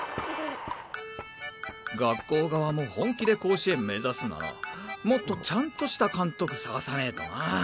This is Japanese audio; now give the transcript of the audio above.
学校側も本気で甲子園目指すならもっとちゃんとした監督さがさねぇとな。